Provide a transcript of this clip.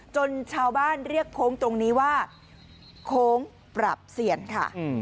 ชาวบ้านเรียกโค้งตรงนี้ว่าโค้งปรับเซียนค่ะ